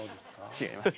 違います。